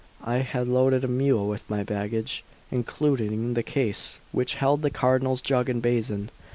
I had loaded a mule with my baggage, including the case which held the Cardinal's jug and basin.